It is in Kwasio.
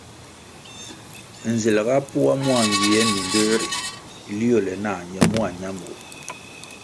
Nzel ga poa mua nywie mindoē ri liole nah ñe mua ñamur.